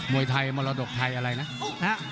วยไทยมรดกไทยอะไรนะ